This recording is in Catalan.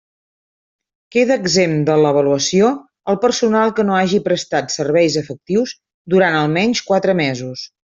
Queda exempt de l'avaluació el personal que no hagi prestat serveis efectius durant almenys quatre mesos.